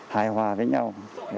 hài hòa với nhau